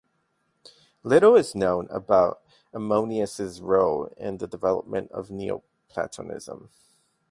Little is known about Ammonius's role in the development of Neoplatonism.